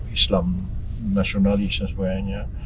islam nasionalis dan sebagainya